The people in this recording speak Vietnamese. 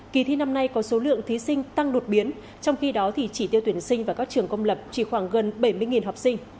kỳ thi năm nay có số lượng thí sinh tăng đột biến trong khi đó thì chỉ tiêu tuyển sinh vào các trường công lập chỉ khoảng gần bảy mươi học sinh